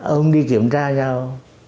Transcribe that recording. ông đi kiểm tra nhau